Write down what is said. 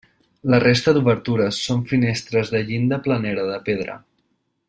La resta d'obertures són finestres de llinda planera de pedra.